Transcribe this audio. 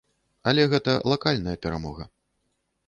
Але гэта лакальная перамога.